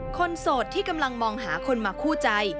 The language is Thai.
โสดที่กำลังมองหาคนมาคู่ใจ